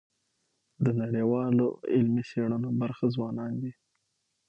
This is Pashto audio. د نړیوالو علمي څيړنو برخه ځوانان دي.